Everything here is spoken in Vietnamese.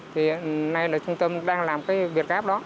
thì hiện nay là trung tâm đang làm cái việt gáp đó